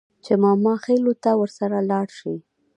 چې ماماخېلو ته ورسره لاړه شي.